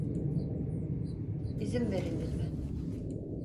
İzin verin lütfen.